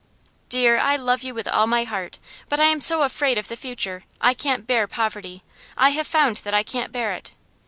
'Dear, I love you with all my heart. But I am so afraid of the future. I can't bear poverty; I have found that I can't bear it.